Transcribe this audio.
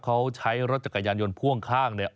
เขาใช้รถจักรยานยนต์พ่วงข้างเนี่ย